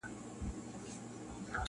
چي پر مځکه خوځېدله د ده ښکار وو -